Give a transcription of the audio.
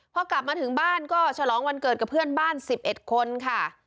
พอกลับมาถึงบ้านก็ฉลองวันเกิดกับเพื่อนบ้าน๑๑คนค่ะ